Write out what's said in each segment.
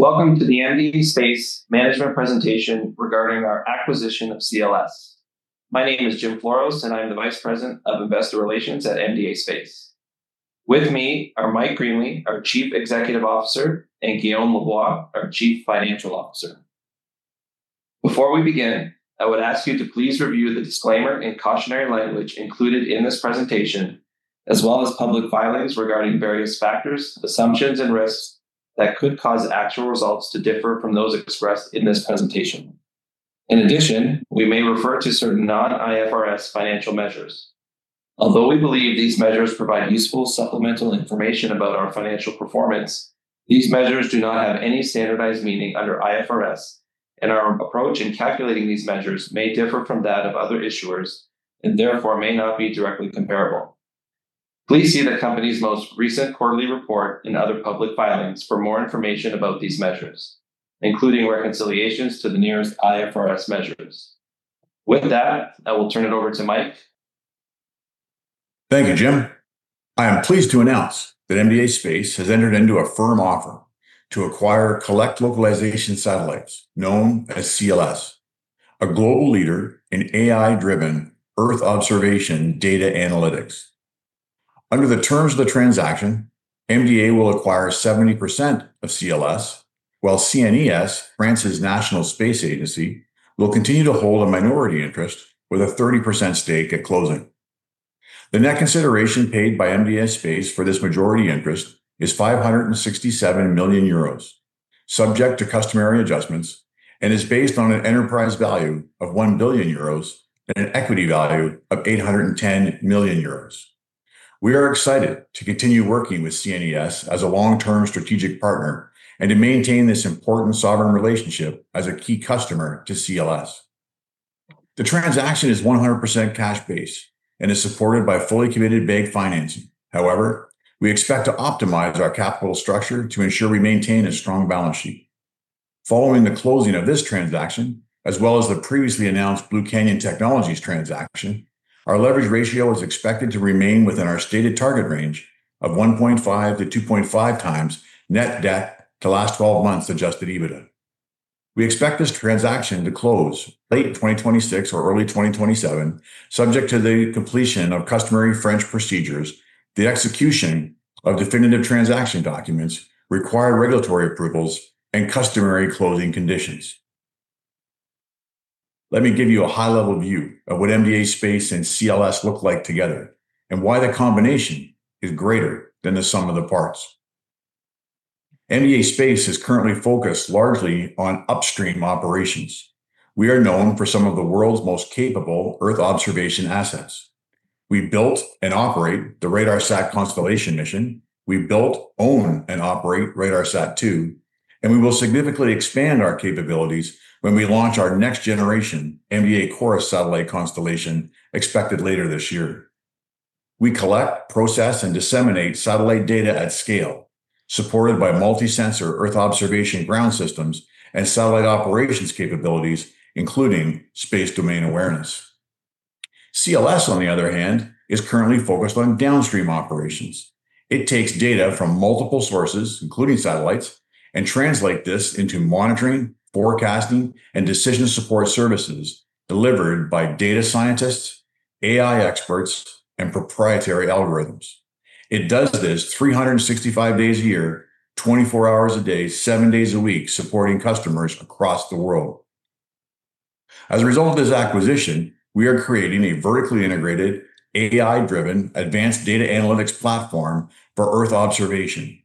Welcome to the MDA Space management presentation regarding our acquisition of CLS. My name is Jim Floros, and I'm the Vice President of Investor Relations at MDA Space. With me are Mike Greenley, our Chief Executive Officer, and Guillaume Lavoie, our Chief Financial Officer. Before we begin, I would ask you to please review the disclaimer and cautionary language included in this presentation, as well as public filings regarding various factors, assumptions, and risks that could cause actual results to differ from those expressed in this presentation. In addition, we may refer to certain non-IFRS financial measures. Although we believe these measures provide useful supplemental information about our financial performance, these measures do not have any standardized meaning under IFRS. Our approach in calculating these measures may differ from that of other issuers and therefore may not be directly comparable. Please see the company's most recent quarterly report and other public filings for more information about these measures, including reconciliations to the nearest IFRS measures. With that, I will turn it over to Mike. Thank you, Jim. I am pleased to announce that MDA Space has entered into a firm offer to acquire Collecte Localisation Satellites, known as CLS, a global leader in AI-driven Earth observation data analytics. Under the terms of the transaction, MDA will acquire 70% of CLS, while CNES, France's National Space Agency, will continue to hold a minority interest with a 30% stake at closing. The net consideration paid by MDA Space for this majority interest is 567 million euros, subject to customary adjustments, and is based on an enterprise value of 1 billion euros and an equity value of 810 million euros. We are excited to continue working with CNES as a long-term strategic partner and to maintain this important sovereign relationship as a key customer to CLS. The transaction is 100% cash-based and is supported by fully committed bank financing. However, we expect to optimize our capital structure to ensure we maintain a strong balance sheet. Following the closing of this transaction, as well as the previously announced Blue Canyon Technologies transaction, our leverage ratio is expected to remain within our stated target range of 1.5-2.5 times net debt to last 12 months Adjusted EBITDA. We expect this transaction to close late 2026 or early 2027 subject to the completion of customary French procedures, the execution of definitive transaction documents, required regulatory approvals, and customary closing conditions. Let me give you a high-level view of what MDA Space and CLS look like together and why the combination is greater than the sum of the parts. MDA Space is currently focused largely on upstream operations. We are known for some of the world's most capable Earth observation assets. We built and operate the RADARSAT Constellation Mission, we built, own, and operate RADARSAT-2, we will significantly expand our capabilities when we launch our next generation MDA CHORUS satellite constellation expected later this year. We collect, process, and disseminate satellite data at scale, supported by multi-sensor Earth observation ground systems and satellite operations capabilities, including space domain awareness. CLS, on the other hand, is currently focused on downstream operations. It takes data from multiple sources, including satellites, and translate this into monitoring, forecasting, and decision support services delivered by data scientists, AI experts, and proprietary algorithms. It does this 365 days a year, 24 hours a day, seven days a week supporting customers across the world. As a result of this acquisition, we are creating a vertically integrated, AI-driven advanced data analytics platform for Earth observation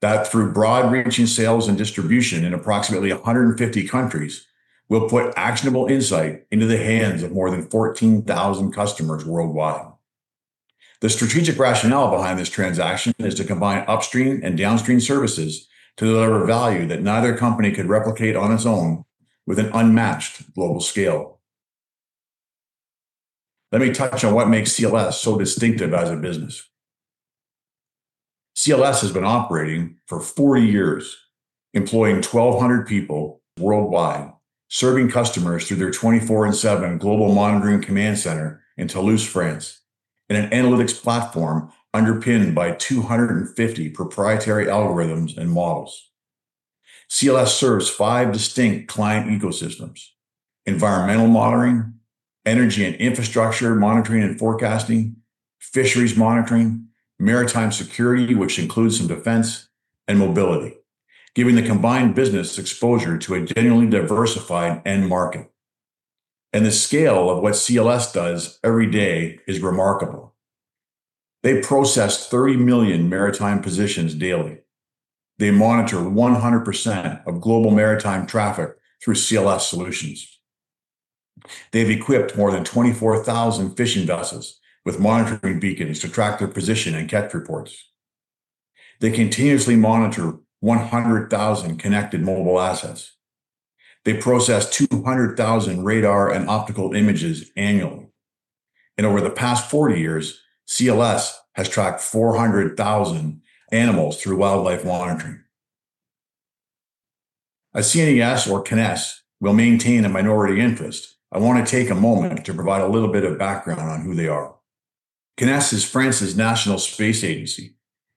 that through broad-reaching sales and distribution in approximately 150 countries will put actionable insight into the hands of more than 14,000 customers worldwide. The strategic rationale behind this transaction is to combine upstream and downstream services to deliver value that neither company could replicate on its own with an unmatched global scale. Let me touch on what makes CLS so distinctive as a business. CLS has been operating for 40 years, employing 1,200 people worldwide, serving customers through their 24/7 global monitoring command center in Toulouse, France, and an analytics platform underpinned by 250 proprietary algorithms and models. CLS serves five distinct client ecosystems: environmental monitoring, energy and infrastructure monitoring and forecasting, fisheries monitoring, maritime security which includes some defense, and mobility, giving the combined business exposure to a genuinely diversified end market. The scale of what CLS does every day is remarkable. They process 30 million maritime positions daily. They monitor 100% of global maritime traffic through CLS solutions. They've equipped more than 24,000 fishing vessels with monitoring beacons to track their position and catch reports. They continuously monitor 100,000 connected mobile assets. They process 200,000 radar and optical images annually. Over the past 40 years, CLS has tracked 400,000 animals through wildlife monitoring. As CNES will maintain a minority interest, I want to take a moment to provide a little bit of background on who they are. CNES is France's national space agency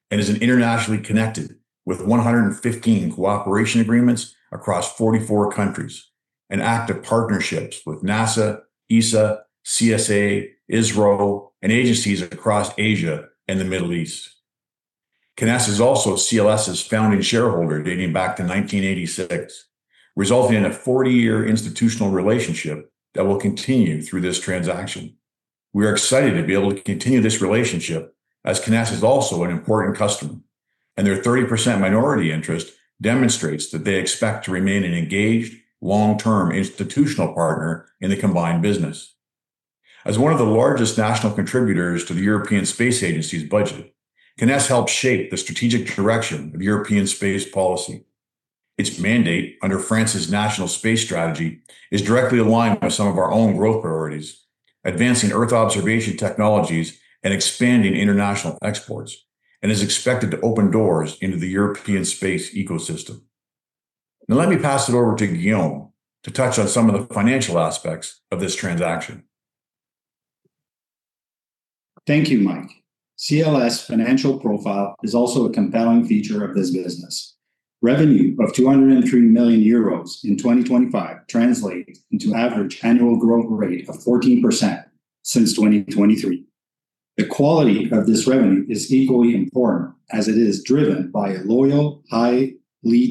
and is internationally connected with 115 cooperation agreements across 44 countries, and active partnerships with NASA, ESA, CSA, ISRO, and agencies across Asia and the Middle East. CNES is also CLS's founding shareholder dating back to 1986, resulting in a 40-year institutional relationship that will continue through this transaction. We are excited to be able to continue this relationship as CNES is also an important customer, and their 30% minority interest demonstrates that they expect to remain an engaged, long-term institutional partner in the combined business. As one of the largest national contributors to the European Space Agency's budget, CNES helped shape the strategic direction of European space policy. Its mandate under France's national space strategy is directly aligned with some of our own growth priorities, advancing Earth observation technologies and expanding international exports, and is expected to open doors into the European space ecosystem. Let me pass it over to Guillaume to touch on some of the financial aspects of this transaction. Thank you, Mike. CLS financial profile is also a compelling feature of this business. Revenue of 203 million euros in 2025 translates into average annual growth rate of 14% since 2023. The quality of this revenue is equally important as it is driven by a loyal, highly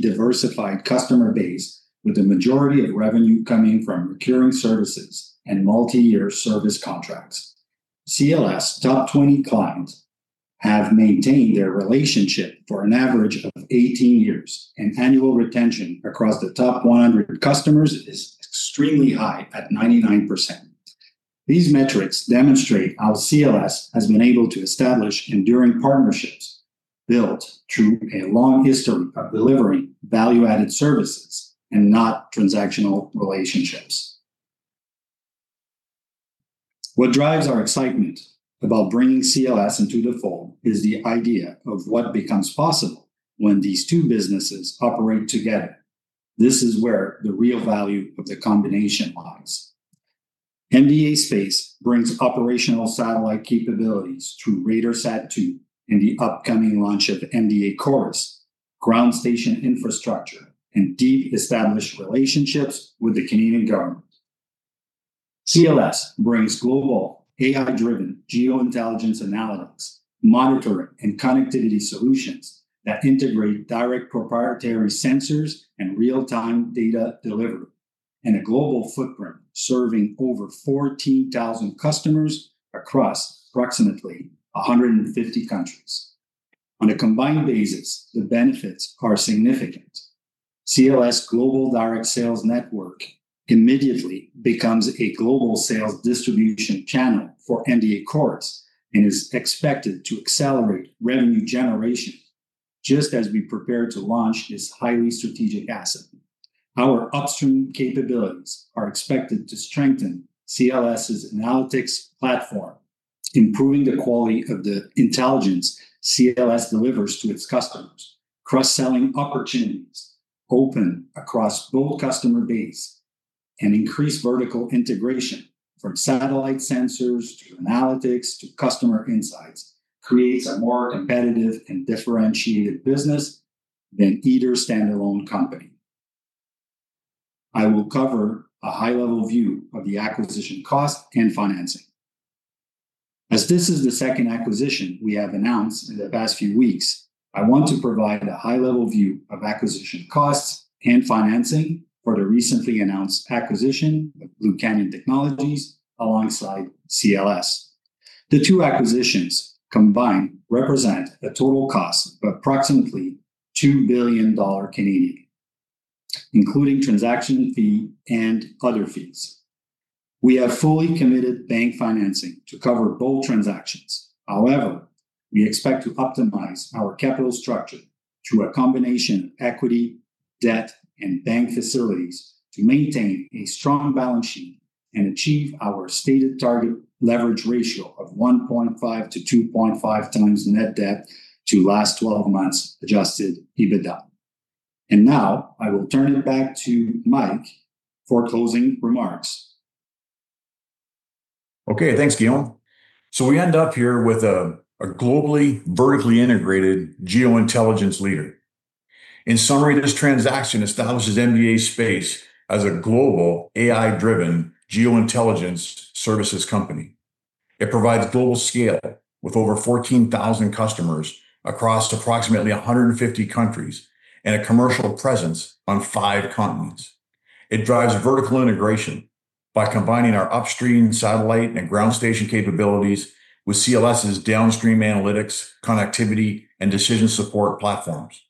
diversified customer base, with the majority of revenue coming from recurring services and multi-year service contracts. CLS top 20 clients have maintained their relationship for an average of 18 years, and annual retention across the top 100 customers is extremely high at 99%. These metrics demonstrate how CLS has been able to establish enduring partnerships built through a long history of delivering value-added services and not transactional relationships. What drives our excitement about bringing CLS into the fold is the idea of what becomes possible when these two businesses operate together. This is where the real value of the combination lies. MDA Space brings operational satellite capabilities through RADARSAT-2 and the upcoming launch of MDA CHORUS, ground station infrastructure, and deep established relationships with the Canadian government. CLS brings global AI-driven geo-intelligence analytics, monitoring, and connectivity solutions that integrate direct proprietary sensors and real-time data delivery, and a global footprint serving over 14,000 customers across approximately 150 countries. On a combined basis, the benefits are significant. CLS global direct sales network immediately becomes a global sales distribution channel for MDA CHORUS and is expected to accelerate revenue generation just as we prepare to launch this highly strategic asset. Our upstream capabilities are expected to strengthen CLS's analytics platform, improving the quality of the intelligence CLS delivers to its customers. Cross-selling opportunities open across both customer base and increased vertical integration from satellite sensors to analytics to customer insights creates a more competitive and differentiated business than either stand-alone company. I will cover a high-level view of the acquisition cost and financing. As this is the second acquisition we have announced in the past few weeks, I want to provide a high-level view of acquisition costs and financing for the recently announced acquisition of Blue Canyon Technologies alongside CLS. The two acquisitions combined represent a total cost of approximately 2 billion Canadian dollars, including transaction fee and other fees. We have fully committed bank financing to cover both transactions. However, we expect to optimize our capital structure through a combination of equity, debt, and bank facilities to maintain a strong balance sheet and achieve our stated target leverage ratio of 1.5 to 2.5 times net debt to last 12 months adjusted EBITDA. I will turn it back to Mike for closing remarks. Okay. Thanks, Guillaume. We end up here with a globally vertically integrated geo-intelligence leader. In summary, this transaction establishes MDA Space as a global AI-driven geo-intelligence services company. It provides global scale with over 14,000 customers across approximately 150 countries and a commercial presence on five continents. It drives vertical integration by combining our upstream satellite and ground station capabilities with CLS's downstream analytics, connectivity, and decision support platforms.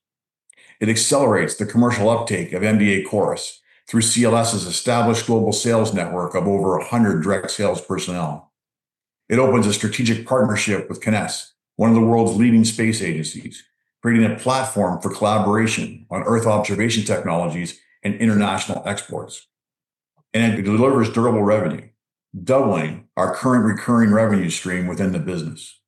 It accelerates the commercial uptake of MDA CHORUS through CLS's established global sales network of over 100 direct sales personnel. It opens a strategic partnership with CNES, one of the world's leading space agencies, creating a platform for collaboration on Earth observation technologies and international exports. It delivers durable revenue, doubling our current recurring revenue stream within the business.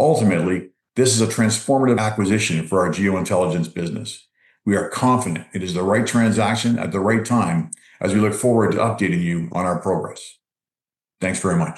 Ultimately, this is a transformative acquisition for our geo-intelligence business. We are confident it is the right transaction at the right time as we look forward to updating you on our progress. Thanks very much.